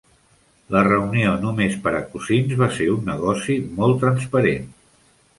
La reunió només per a cosins va ser un negoci molt transparent.